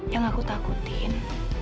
yang aku takutin